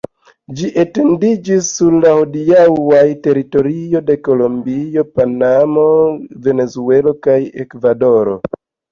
Ĝi etendiĝis sur la hodiaŭaj teritorioj de Kolombio, Panamo, Venezuelo kaj Ekvadoro.